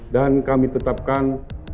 dan kami tetapkan